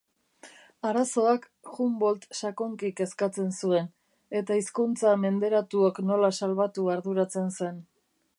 Arazoak Humboldt sakonki kezkatzen zuen, eta hizkuntza menderatuok nola salbatu arduratzen zen.